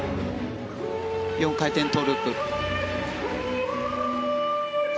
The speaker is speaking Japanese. ４回転トウループ。